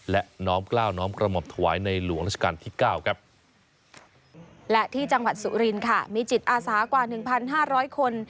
และที่จังหวัดสุรินค่ะมีจิตอาสากว่า๑๕๐๐คน